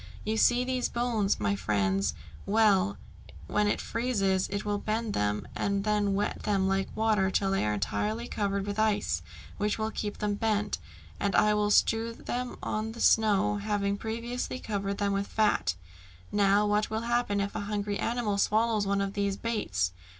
You see these bones, my friends; well, when it freezes, I will bend them, and then wet them with water till they are entirely covered with ice, which will keep them bent, and I will strew them on the snow, having previously covered them with fat. Now, what will happen if a hungry animal swallows one of these baits?